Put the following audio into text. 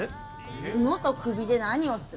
角と首で何をする？